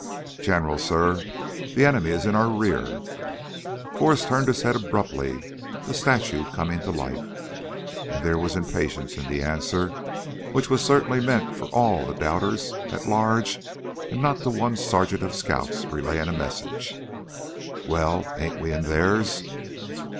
"General, suh, the enemy is in our rear " Forrest turned his head abruptly, the statue coming to life. And there was impatience in the answer which was certainly meant for all the doubters at large and not to one sergeant of scouts relaying a message. "Well, ain't we in theirs?"